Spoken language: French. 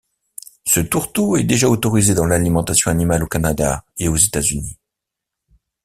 Ce tourteau est déjà autorisé dans l'alimentation animale au Canada et aux États-Unis.